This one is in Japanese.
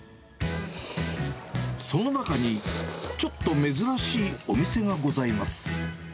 その中に、ちょっと珍しいお店がございます。